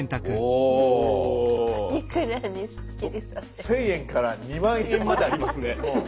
１，０００円から２０，０００円まであります。